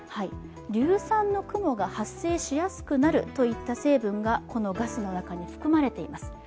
硫酸の雲が発生しやすくなるといった成分がガスの中に含まれています。